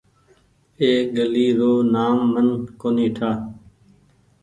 اي گلي رو نآم من ڪونيٚ ٺآ۔